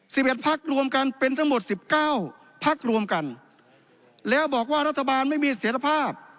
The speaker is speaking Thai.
เอ็ดพักรวมกันเป็นทั้งหมดสิบเก้าพักรวมกันแล้วบอกว่ารัฐบาลไม่มีเสียรภาพ